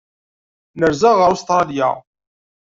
Nerza ar Ustṛalya.